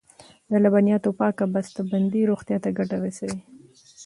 د لبنیاتو پاکه بسته بندي روغتیا ته ګټه رسوي.